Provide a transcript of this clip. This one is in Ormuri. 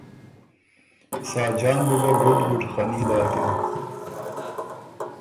ساجان بُو ګۀ بُډ بُد خني داکِن